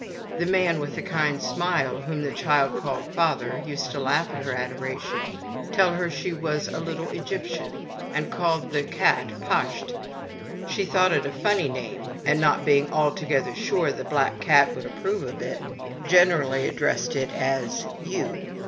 The man with the kind smile, whom the child called " father," used to laugh at her adoration, tell her she was a little Egyptian, and called the cat " Pasht." She thought it a funny name, and not being altogether sure the black cat would approve of it> she generally addressed it as " you."